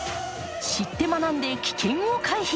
知って学んで、危険を回避。